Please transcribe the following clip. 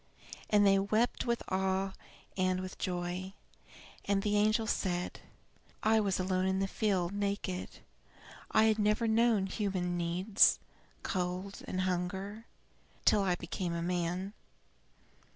And they wept with awe and with joy. And the angel said: "I was alone in the field, naked. I had never known human needs, cold and hunger, till I became a man.